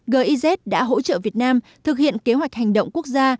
giz đã hỗ trợ việt nam thực hiện kế hoạch hành động quốc gia